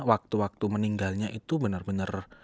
waktu waktu meninggalnya itu bener bener